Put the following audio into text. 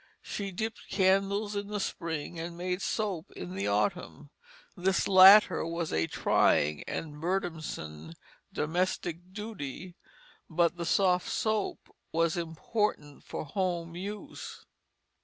She dipped candles in the spring, and made soap in the autumn. This latter was a trying and burdensome domestic duty, but the soft soap was important for home use.